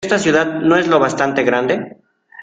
Esta ciudad no es lo bastante grande